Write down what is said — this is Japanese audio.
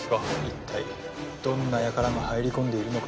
いったいどんなやからが入り込んでいるのか。